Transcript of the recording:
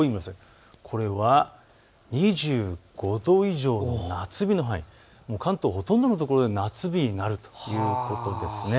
これは２５度以上の夏日の範囲、関東ほとんどの所で夏日になるということです。